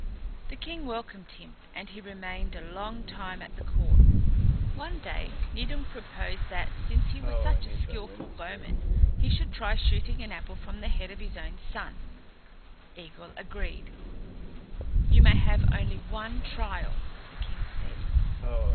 The king welcomed him, and he remained a long time at the court. One day Nidung proposed that, since he was such a skilful bowman, he should try shooting an apple from the head of his own son. Eigil agreed. "You may have only one trial," the king said.